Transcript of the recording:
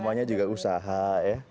namanya juga usaha ya